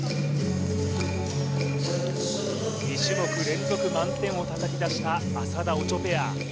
２種目連続満点をたたき出した浅田・オチョペア